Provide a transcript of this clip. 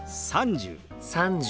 「３０」。